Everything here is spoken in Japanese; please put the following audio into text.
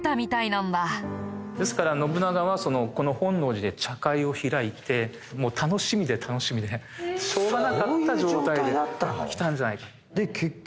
ですから信長はこの本能寺で茶会を開いてもう楽しみで楽しみでしょうがなかった状態で来たんじゃないか。